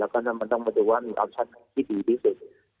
แล้วก็นั่นมันต้องมาดูว่ามีออปชั่นที่ดีที่สุด